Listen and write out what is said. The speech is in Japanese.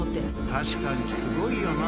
確かにすごいよな。